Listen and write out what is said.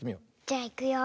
じゃいくよ。